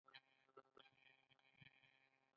ایا ستاسو دوست به بریالی نه شي؟